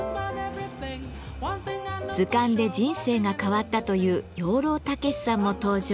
図鑑で人生が変わったという養老孟司さんも登場。